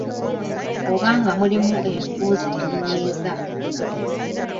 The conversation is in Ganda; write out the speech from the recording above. Oba nga mulimu ebibuuzo ebinyiiza